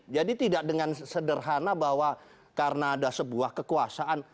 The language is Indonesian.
jadi tidak dengan sederhana bahwa karena ada sebuah kekuasaan